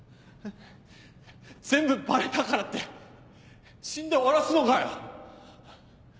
全部バレたからって死んで終わらすのかよ